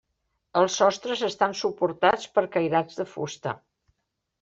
Els sostres estan suportats per cairats de fusta.